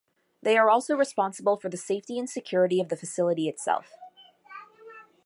They are also responsible for the safety and security of the facility itself.